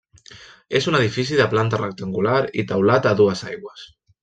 És un edifici de planta rectangular i teulat a dues aigües.